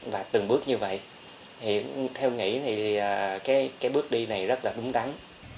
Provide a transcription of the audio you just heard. và từng bước như vậy theo nghĩa thì cái bước đi này rất là đúng đắn